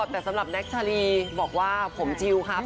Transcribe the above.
แต่สำหรับแน็กชาลีบอกว่าผมชิวครับ